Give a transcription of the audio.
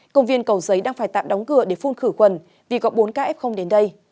công viên cầu giấy đang phải tạm đóng cửa để phun khử quần vì có bốn kf đến đây